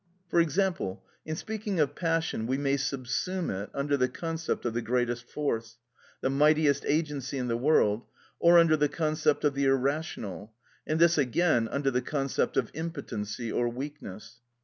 For example, in speaking of passion, we may subsume it under the concept of the greatest force, the mightiest agency in the world, or under the concept of the irrational, and this again under the concept of impotency or weakness.